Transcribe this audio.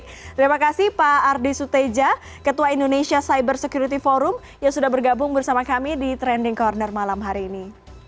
terima kasih pak ardi suteja ketua indonesia cyber security forum yang sudah bergabung bersama kami di trending corner malam hari ini